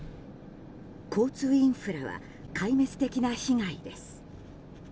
交通インフラは壊滅的な被害です。